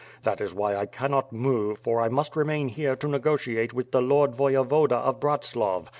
That is why I cannot move for I must remain here to negotiate with the Ijord Voyevoda of Bratslav.